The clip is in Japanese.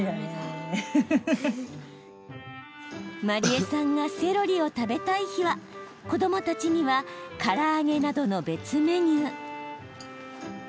真里絵さんがセロリを食べたい日は子どもたちにはから揚げなどの別メニュー。